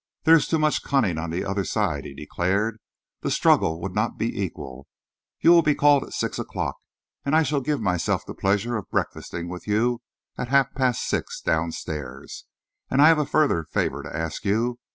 "There is too much cunning on the other side," he declared. "The struggle would not be equal. You will be called at six o'clock, and I shall give myself the pleasure of breakfasting with you at half past six downstairs. And, I have a further favour to ask you.